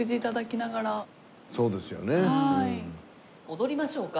踊りましょうか？